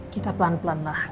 kita pelan pelan lah